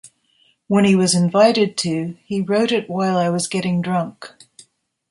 When he was invited too, he wrote it while I was getting drunk.